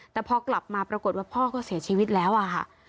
แต่พอกลับมาปรากฏว่าพ่อก็เสียชีวิตแล้วอะค่ะ